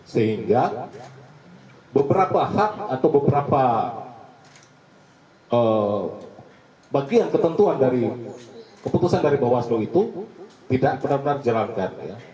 sehingga beberapa hak atau beberapa bagian ketentuan dari keputusan dari bawaslu itu tidak benar benar dijalankan